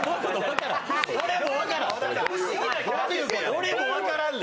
俺も分からんで。